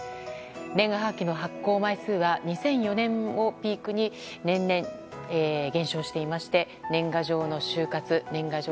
年賀はがきの発行枚数は２００４年をピークに年々減少していまして年賀状の終活年賀状